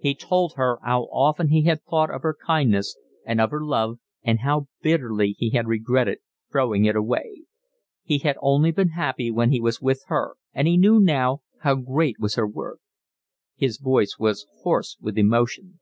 He told her how often he had thought of her kindness and of her love, and how bitterly he had regretted throwing it away: he had only been happy when he was with her, and he knew now how great was her worth. His voice was hoarse with emotion.